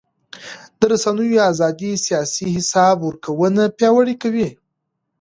د رسنیو ازادي سیاسي حساب ورکونه پیاوړې کوي